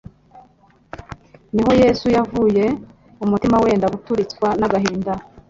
Niho Yesu yavuye umutima wenda guturitswa n'agahinda,